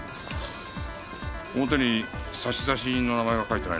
表に差出人の名前が書いてないな。